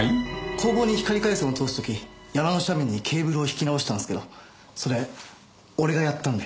工房に光回線を通す時山の斜面にケーブルを引き直したんすけどそれ俺がやったんで。